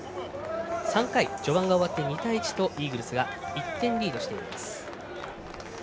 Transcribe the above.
３回序盤が終わって２対１とイーグルスが１点リードしています。